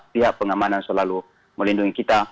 pihak pengamanan selalu melindungi kita